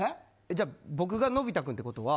じゃあ僕がのび太君ってことは。